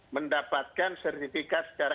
mendapatkan sertifikat secara